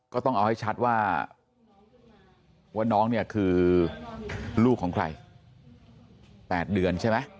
ก็ต้องเอาให้ชัดว่าว่าน้องเนี่ยคือลูกของใคร๘เดือนใช่ไหม